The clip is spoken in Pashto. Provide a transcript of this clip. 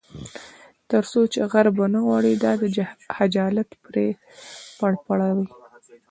تر څو چې غرب ونه غواړي دا د خجالت پرپړه وي.